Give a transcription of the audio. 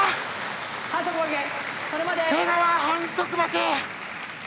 瀬川、反則負け。